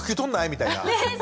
みたいな。ね！